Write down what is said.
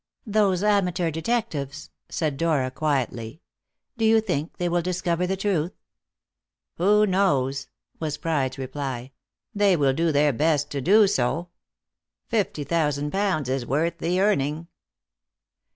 "Those amateur detectives?" said Dora quietly; "do you think they will discover the truth?" "Who knows?" was Pride's reply; "they will do their best to do so. Fifty thousand pounds is worth the earning."